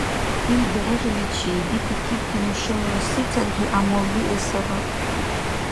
Ил даражаличи детикибти нушала сецадхӀи гӀямал биэсара?